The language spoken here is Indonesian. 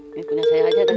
ini punya saya aja daksa